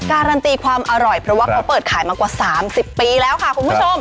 การันตีความอร่อยเพราะว่าเขาเปิดขายมากว่า๓๐ปีแล้วค่ะคุณผู้ชม